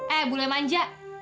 eh bule manja